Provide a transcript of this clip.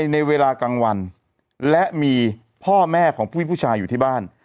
ในเวลากลางวันและมีพ่อแม่ของผู้มีผู้ชายอยู่ที่บ้าน